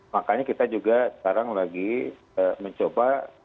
makanya kita juga sekarang lagi mencoba